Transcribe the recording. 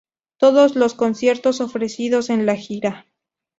Todos los conciertos ofrecidos en la gira.